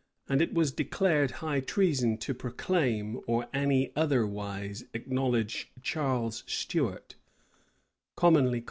[] And it was declared high treason to proclaim, or any otherwise acknowledge Charles Stuart, commonly called prince of Wales.